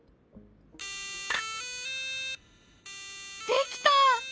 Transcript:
できた！